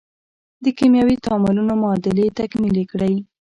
د کیمیاوي تعاملونو معادلې تکمیلې کړئ.